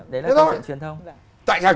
đấy là câu chuyện truyền thông